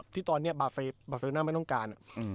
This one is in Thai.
ที่ตอนเนี่ยเบอร์เฟรโน่าไม่ต้องการ